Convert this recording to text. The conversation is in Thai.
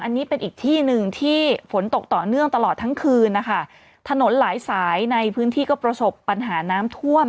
อันนี้เป็นอีกที่หนึ่งที่ฝนตกต่อเนื่องตลอดทั้งคืนนะคะถนนหลายสายในพื้นที่ก็ประสบปัญหาน้ำท่วม